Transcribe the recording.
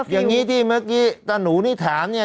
อย่างนี้ที่เมื่อกี้ตาหนูนี่ถามเนี่ย